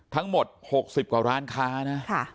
ทั้งหมด๖๐กว่าร้านค้านะ